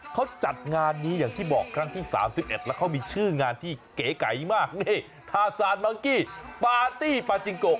เขาจัดงานนี้อย่างที่บอกครั้งที่๓๑แล้วเขามีชื่องานที่เก๋ไก่มากนี่ทาซานมังกี้ปาร์ตี้ปาจิงโก